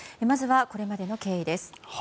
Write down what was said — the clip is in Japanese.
まずはこれまでの経緯です。